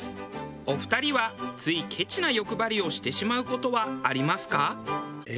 お二人はついケチな欲張りをしてしまう事はありますか？